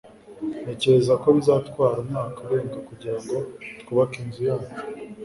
Ntekereza ko bizatwara umwaka urenga kugirango twubake inzu yacu